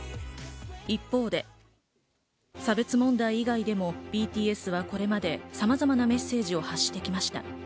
一方で、差別問題以外でもＢＴＳはこれまでさまざまなメッセージを発してきました。